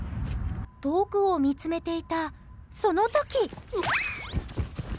遠くを見つめていたその時。